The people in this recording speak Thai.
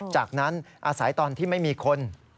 จากนั้นอาศัยตอนที่ไม่มีคน